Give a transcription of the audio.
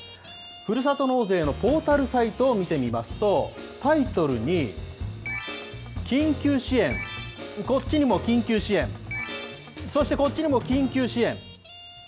ふるさと納税のポータルサイトを見てみますと、タイトルに緊急支援、こっちにも緊急支援、そしてこっちにも緊急支援。